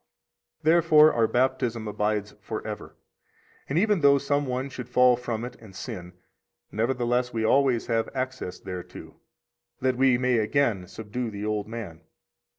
77 Therefore our Baptism abides forever; and even though some one should fall from it and sin, nevertheless we always have access thereto, that we may again subdue the old man.